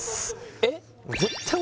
えっ？